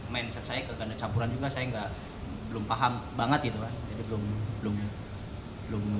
main set saya ke ganda campuran juga saya belum paham banget gitu kan